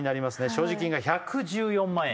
所持金が１１４万円